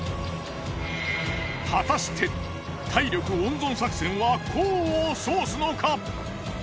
果たして体力温存作戦は功を奏すのか！？